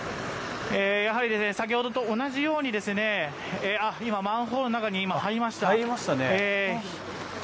先ほどと同じように、今、マンホールの中に入りました。